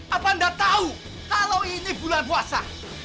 apa anda tahu kalau ini bulan puasa